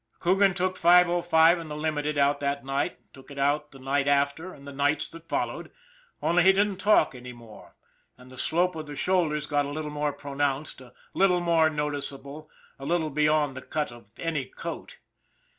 Coogan took 505 and the Limited out that night, took it out the night after and the nights that followed, only he didn't talk any more, and the slope of the shoulders got a little more pronounced, a little more noticeable, a little beyond the cut of any coat.